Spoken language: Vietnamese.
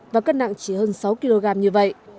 và cân nặng chỉ hơn sáu kg như vậy